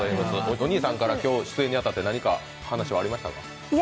お兄さんから今日、出演に当たって何か話はありましたか？